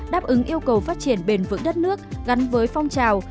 đáp ứng yêu cầu phát triển bền vững đất nước gắn với phong trào